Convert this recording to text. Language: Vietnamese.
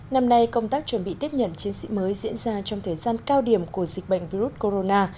năm nay công tác chuẩn bị tiếp nhận chiến sĩ mới diễn ra trong thời gian cao điểm của dịch bệnh virus corona